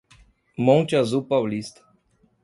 Monte Azul Paulista